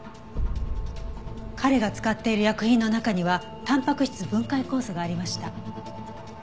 彼が使っている薬品の中にはたんぱく質分解酵素がありました。